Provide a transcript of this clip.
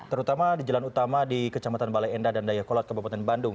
terutama di jalan utama di kecamatan bale endah dan dayakolot kabupaten bandung